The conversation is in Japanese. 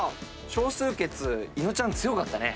少数決伊野尾ちゃん強かったね。